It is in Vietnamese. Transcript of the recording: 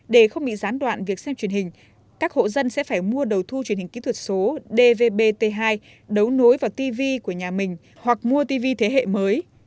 để không bị gián đoạn việc xem truyền hình các hộ dân sẽ phải mua đầu thu truyền hình kỹ thuật số dvbt hai đấu nối vào tv của nhà mình hoặc mua tv thế hệ mới